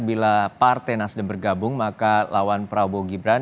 bila partai nasdem bergabung maka lawan prabowo gibran